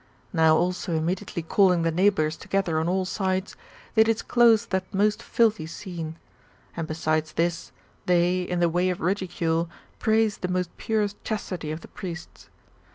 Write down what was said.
Now also immediately calling the neighbours together on all sides, they disclosed that most filthy scene ; and besides this, they, in the way of ridicule, praised the most pure chastity of the priests.